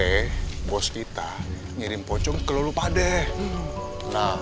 pak rt bos kita ngirim pocong ke lulupadeh